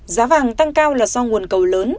giá vàng tăng cao là do nguồn cầu lớn